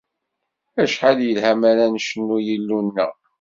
Acḥal yelha mi ara ncennu i Yillu-nneɣ!